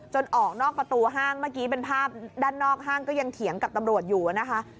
ออกนอกประตูห้างเมื่อกี้เป็นภาพด้านนอกห้างก็ยังเถียงกับตำรวจอยู่นะคะ